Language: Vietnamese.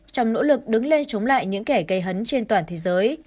trong nỗ lực đứng lê chống lại những kẻ gây hấn trên toàn thế giới